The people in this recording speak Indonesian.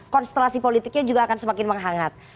konstelasi politiknya juga akan semakin menghangat